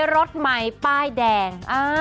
รถใหม่ป้ายแดง